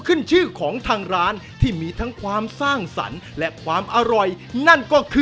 เพียรี่ยมขอบคุณมากนะครับ